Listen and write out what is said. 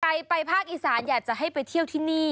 ใครไปภาคอีสานอยากจะให้ไปเที่ยวที่นี่